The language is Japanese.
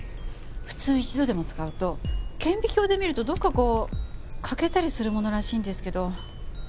普通一度でも使うと顕微鏡で見るとどこかこう欠けたりするものらしいんですけど。